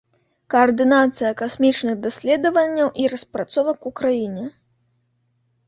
Каардынацыя касмічных даследаванняў і распрацовак у краіне.